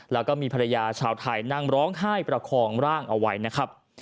แล้วก็มีภรรยาชาวไทยนั่งร้องไห้ประคองร่างเอาไว้นะครับ